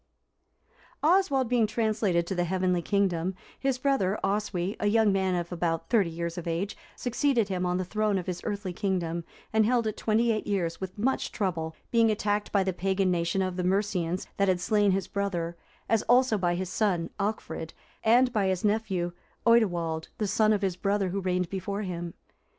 D.] Oswald being translated to the heavenly kingdom, his brother Oswy,(355) a young man of about thirty years of age, succeeded him on the throne of his earthly kingdom, and held it twenty eight years with much trouble, being attacked by the pagan nation of the Mercians, that had slain his brother, as also by his son Alchfrid,(356) and by his nephew Oidilwald,(357) the son of his brother who reigned before him.